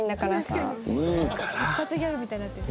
一発ギャグみたいになってる。